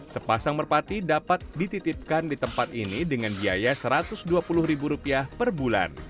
sepasang merpati dapat dititipkan di tempat ini dengan biaya rp satu ratus dua puluh ribu rupiah per bulan